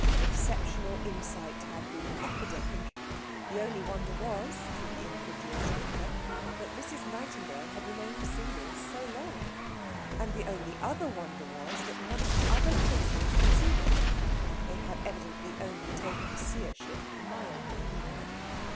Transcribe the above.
Exceptional insight had been epidemic. The only wonder was (to the individual speaker) that Mrs. Nightingale had remained single so long, and the only other wonder was that none of the other cases had seen it. They had evidently only taken seership mildly.